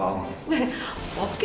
kayaknya mau bisa pergi dulu ya